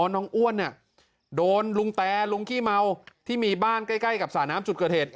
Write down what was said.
อ้วนเนี่ยโดนลุงแตลุงขี้เมาที่มีบ้านใกล้กับสระน้ำจุดเกิดเหตุ